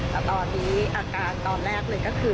แต่ตอนนี้อาการตอนแรกเลยก็คือ